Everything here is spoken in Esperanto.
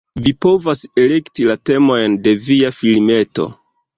Vi povas elekti la temojn de via filmeto